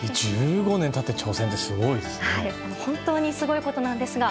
１５年経って挑戦ってすごいですね。